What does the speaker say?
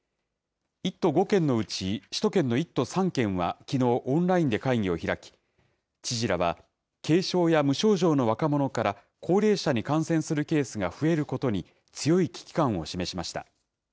１都５県のうち、首都圏の１都３県はきのう、オンラインで会議を開き、知事らは、軽症や無症状の若者から高齢者に感染するケースが増えることに、強い危機感を示しました。